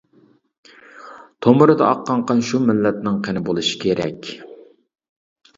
تومۇرىدا ئاققان قان شۇ مىللەتنىڭ قېنى بولۇشى كېرەك.